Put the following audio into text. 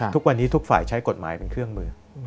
ทุกวันนี้ทุกฝ่ายใช้กฎหมายเป็นเครื่องมือ